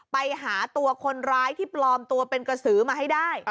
ไปหาตัวคนร้ายที่ปลอมตัวเป็นกระสือมาให้ได้